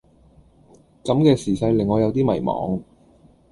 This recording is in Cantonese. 咁嘅時勢令我有啲迷惘